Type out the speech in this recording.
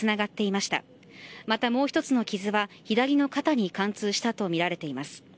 またもう１つの傷は左の肩に貫通したとみられています。